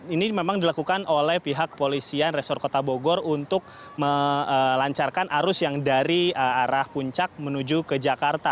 ini memang dilakukan oleh pihak kepolisian resor kota bogor untuk melancarkan arus yang dari arah puncak menuju ke jakarta